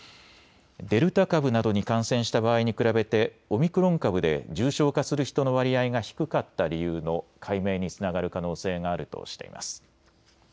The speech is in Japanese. デルタ株などに感染した場合に比べてオミクロン株で重症化する人の割合が低かった理由の解明につながる可能性があるとしています。